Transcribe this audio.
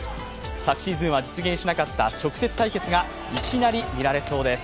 昨シーズンは実現しなかった直接対決がいきなり見られそうです。